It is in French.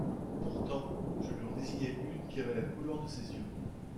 Pourtant je lui en désignai une qui avait la couleur de ses yeux.